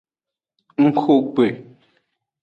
Ngxo gbe.